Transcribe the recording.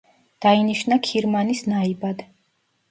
დაინიშნა ქირმანის ნაიბად.